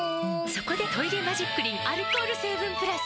そこで「トイレマジックリン」アルコール成分プラス！